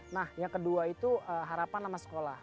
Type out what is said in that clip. nah yang kedua itu harapan sama sekolah